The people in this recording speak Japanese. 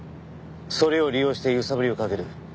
それを利用して揺さぶりをかける。